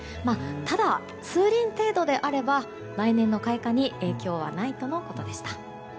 ただ、数輪程度であれば来年の開花に影響はないとのことでした。